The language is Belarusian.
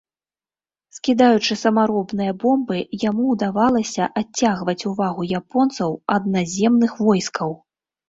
Скідаючы самаробныя бомбы, яму ўдавалася адцягваць увагу японцаў ад наземных войскаў.